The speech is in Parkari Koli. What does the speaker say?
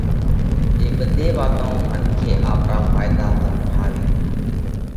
اي ٻڌي واتون منکي آپرا ڦائيڌا ۿارُو ٺاويھ۔